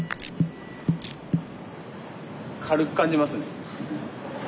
軽く感じますね。